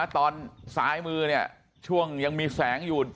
ตอนซ้ายมือช่วงยังมีแสงอยู่